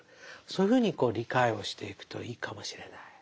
そういうふうに理解をしていくといいかもしれない。